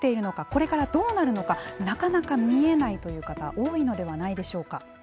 これからどうなるのかなかなか見えないという方多いのではないでしょうか。